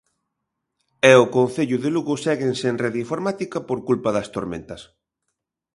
E o concello de Lugo seguen sen rede informática por culpa das tormentas.